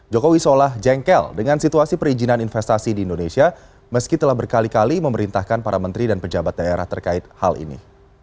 jokowi seolah jengkel dengan situasi perizinan investasi di indonesia meski telah berkali kali memerintahkan para menteri dan pejabat daerah terkait hal ini